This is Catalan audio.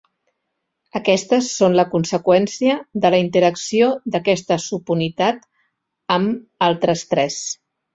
Aquestes són la conseqüència de la interacció d'aquesta subunitat amb altres tres.